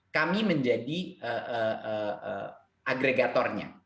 kami menjadi agregatornya